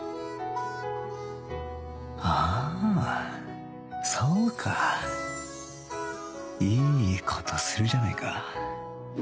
あそうかいい事するじゃないか